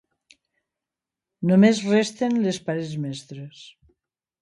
Només resten les parets mestres.